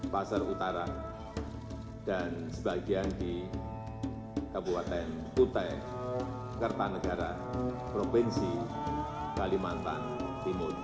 pasar utara dan sebagian di kabupaten kutai kertanegara provinsi kalimantan timur